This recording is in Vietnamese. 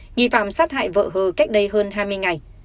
nghi phạm sát hại vợ hờ cách đây hơn hai mươi ngày